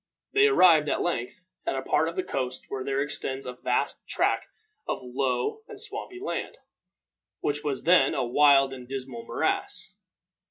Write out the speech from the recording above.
They arrived, at length, at a part of the coast where there extends a vast tract of low and swampy land, which was then a wild and dismal morass.